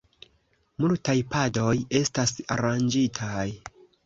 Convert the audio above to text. Multaj padoj estas aranĝitaj.